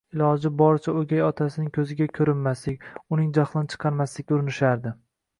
Iloji boricha o'gay otasining ko'ziga ko'rinmaslik, uning jahlini chiqarmaslikka urinishardi